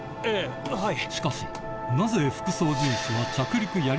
はい。